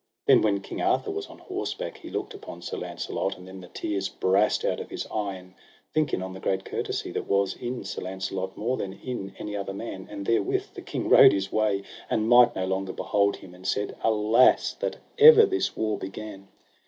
Then when King Arthur was on horseback, he looked upon Sir Launcelot, and then the tears brast out of his eyen, thinking on the great courtesy that was in Sir Launcelot more than in any other man; and therewith the king rode his way, and might no longer behold him, and said: Alas, that ever this war began.